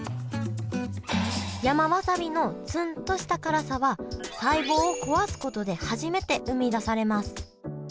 山わさびのツンとした辛さは細胞を壊すことで初めて生み出されます